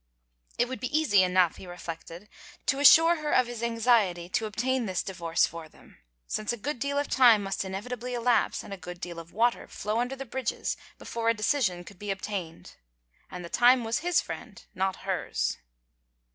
It would be easy enough, he reflected, to assure her of his anxiety to obtain this divorce for them, since a good deal of time must inevitably elapse and a good deal of water flow under the bridges before a decision could be obtained. And the time was his friend, not hers.